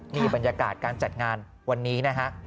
นี่บรรยากาศการจัดงานวันนี้นะฮะ